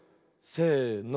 せの。